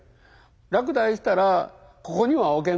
「落第したらここには置けんぞ」と。